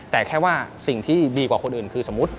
แต่แค่ว่าสิ่งที่ดีกว่าคนอื่นคือสมมุติ